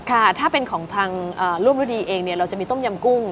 ค่ะถ้าเป็นของทางรุ่งฤดีเองเนี่ยเราจะมีต้มยำกุ้ง